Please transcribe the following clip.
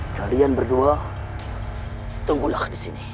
kalian berdua tunggulah di sini